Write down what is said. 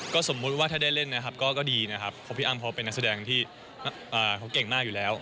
สมมุติว่าถ้าได้เล่นนะครับก็ดีนะครับเพราะพี่อ้ำเขาเป็นนักแสดงที่เขาเก่งมากอยู่แล้ว